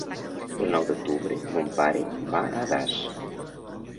El nou d'octubre mon pare va a Das.